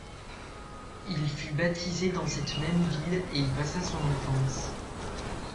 Il fut baptisé dans cette même ville et y passa son enfance.